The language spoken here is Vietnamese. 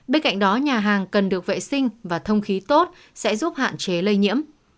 bên cạnh đó nhà hàng cần được vệ sinh và thông khí tốt sẽ giúp hạn chế lây nhiễm